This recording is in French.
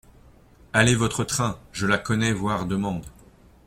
Allez votre train ! je la connais voire demande…